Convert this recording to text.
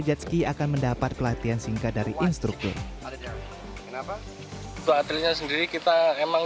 jet ski akan mendapat pelatihan singkat dari instruktur kenapa untuk atletnya sendiri kita emang